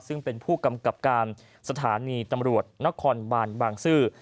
ซึ่งเป็นผู้กำกับการสถานีตำรวจนครบานบางซื่อ